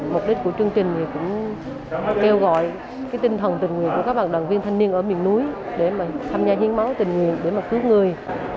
mục đích của chương trình cũng kêu gọi tinh thần tình nguyện của các bạn đoàn viên thanh niên ở miền núi để tham gia hiến máu tình nguyện để mà cứu người